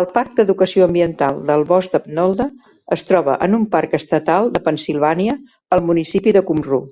El parc d'educació ambiental del bosc de Nolde es troba en un parc estatal de Pennsilvània al municipi de Cumru.